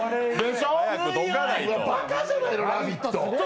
バカじゃないの、「ラヴィット！」。